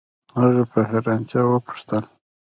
هغې په حیرانتیا وپوښتل